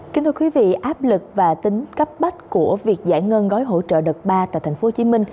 kính thưa quý vị áp lực và tính cấp bách của việc giải ngân gói hỗ trợ đợt ba tại tp hcm